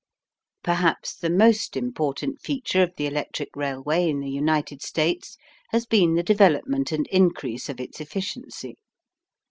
Perhaps the most important feature of the electric railway in the United States has been the development and increase of its efficiency.